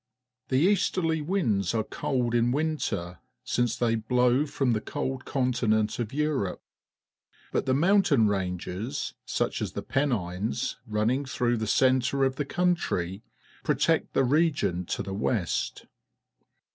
The easterly winds are cold in winter, since they blow from the cold continent of Europe ; but the mountain ranges, such as the Pennines, running through the centre of the country, protect the region to the west.